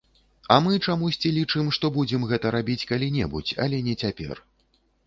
А мы чамусьці лічым, што будзем гэта рабіць калі-небудзь, але не цяпер.